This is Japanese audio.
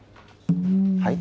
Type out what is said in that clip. はい？